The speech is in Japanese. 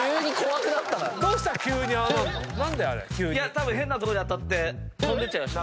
たぶん変なとこに当たって飛んでっちゃいました。